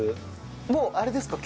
もうあれですか？